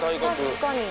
「確かに。